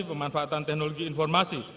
pemanfaatan teknologi informasi